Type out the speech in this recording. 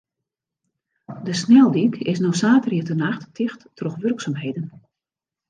De sneldyk is no saterdeitenacht ticht troch wurksumheden.